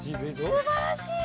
すばらしい！